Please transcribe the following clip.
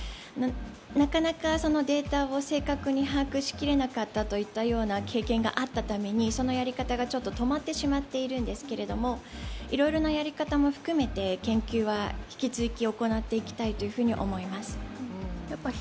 なかなか、データを正確に把握しきれなかったという経験があったために、そのやり方が止まってしまったんですけどいろいろなやり方も含めて研究は引き続き行っていきたいと思っています。